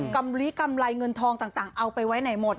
กำลีกำไรเงินทองต่างเอาไปไว้ไหนหมด